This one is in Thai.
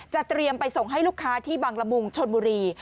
เตรียมไปส่งให้ลูกค้าที่บังละมุงชนบุรี